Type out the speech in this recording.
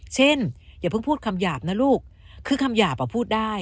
อย่าเพิ่งพูดคำหยาบนะลูกคือคำหยาบพูดได้